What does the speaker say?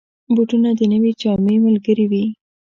بوټونه د نوې جامې ملګري وي.